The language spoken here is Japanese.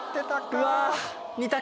うわ。